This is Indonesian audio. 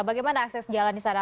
bagaimana akses jalan di sana